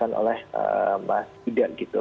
yang dikatakan oleh mas hida gitu